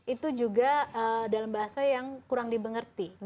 itu juga dalam bahasa yang kurang di pengerti